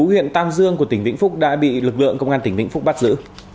huyện tam dương của tỉnh vĩnh phúc đã bị lực lượng công an tỉnh vĩnh phúc bắt giữ